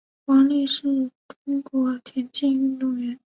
王丽是中国田径运动员。